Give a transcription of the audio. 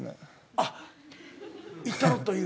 あっいったろという。